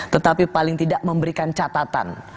tetapi paling tidak memberikan catatan